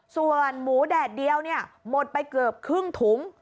ส่วนหมูแดดเดียวเนี่ยหมดไปเกือบครึ่งถุง